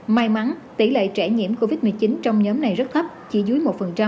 may mắn tỷ lệ trẻ nhiễm covid một mươi chín trong nhóm này rất thấp chỉ dưới một